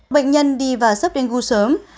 bệnh nhân đi và sớp đến khu sớm